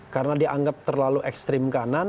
karena dianggap terlalu ekstrim kanan